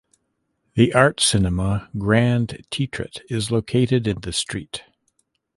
The art cinema Grand Teatret is located in the street.